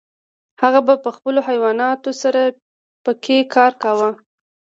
هغه به په خپلو حیواناتو سره پکې کار کاوه.